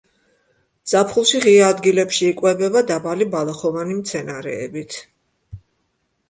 ზაფხულში ღია ადგილებში იკვებება დაბალი ბალახოვანი მცენარეებით.